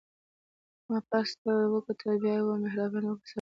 ما پاس ده ته وکتل، بیا یې وویل: مهرباني وکړه سر دې مه خوځوه.